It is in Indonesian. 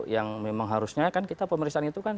yang memang harusnya kan kita pemeriksaan itu kan